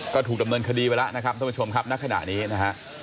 ก็ถูกดำเนินคดีไปแล้วนะครับท่านผู้ชมครับณขณะนี้นะฮะ